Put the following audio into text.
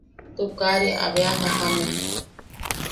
Tukaria abe a jajame.